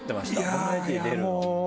バラエティーに出るの。